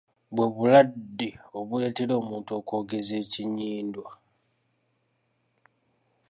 Bwe bulwadde obuleetera omuntu okwogeza ekinnyindwa.